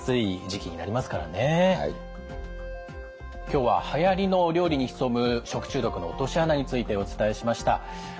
今日ははやりの料理に潜む食中毒の落とし穴についてお伝えしました。